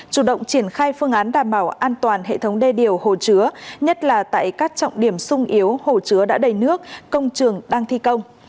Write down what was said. chủ động triển khai phương án đảm bảo an toàn hệ thống đê điều hồ chứa nhất là tại các trọng điểm sung yếu hồ chứa đã đầy nước công trường đang thi công